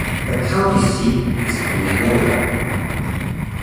The county seat is Indianola.